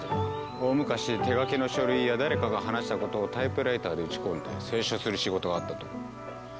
大昔手書きの書類や誰かが話したことをタイプライターで打ち込んで清書する仕事があったという。